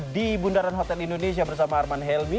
di bundaran hotel indonesia bersama arman helmi